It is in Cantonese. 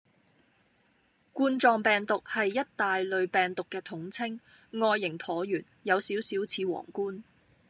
冠狀病毒係一大類病毒嘅統稱，外形橢圓，有少少似王冠